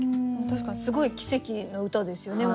確かにすごい奇跡の歌ですよね。